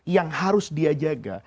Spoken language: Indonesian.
yang harus dia jaga